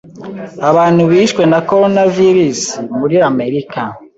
Abantu bishwe na Coronavirus muri Amerika